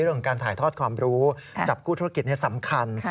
เรื่องของการถ่ายทอดความรู้กับคู่ธุรกิจนี้สำคัญ